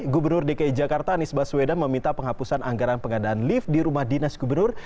gubernur dki jakarta anies baswedan meminta penghapusan anggaran pengadaan lift di rumah dinas gubernur